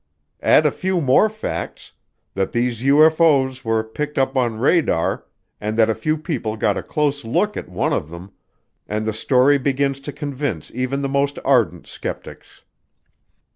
Add a few more facts that these UFO's were picked up on radar and that a few people got a close look at one of them, and the story begins to convince even the most ardent skeptics.